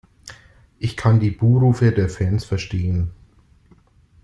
Ich kann die Buh-Rufe der Fans verstehen.